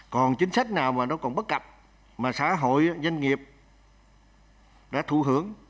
còn chính sách nào mà nó còn bất cập mà xã hội doanh nghiệp đã thu hưởng